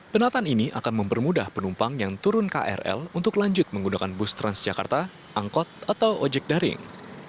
penataan ini akan mempermudah penumpang yang turun krl untuk lanjut menggunakan bus transjakarta angkot atau ojek daring